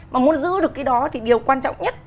mà muốn giữ được cái đó thì điều quan trọng nhất